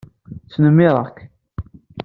Snemmireɣ-k.